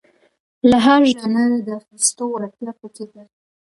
له هر ژانره د راخیستو وړتیا په کې ده.